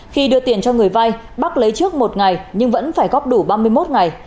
khi đưa tiền cho người vay bác lấy trước một ngày nhưng vẫn phải góp đủ ba mươi một ngày